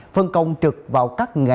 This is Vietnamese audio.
phân công trực vào các bệnh nhân